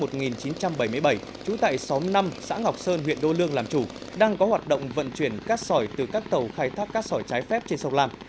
trú tại xóm năm xã ngọc sơn huyện đô lương làm chủ đang có hoạt động vận chuyển cát sỏi từ các tàu khai thác cát sỏi trái phép trên sông lam